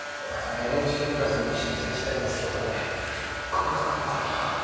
ＮＨＫプラスに申請したいんですけどこれお金かかんのかな？